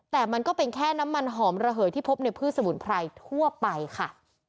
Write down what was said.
แต่มันก็เป็นแค่น้ำมันหอมระเหยที่พบในพืชสมุนไพรทั่วไปค่ะ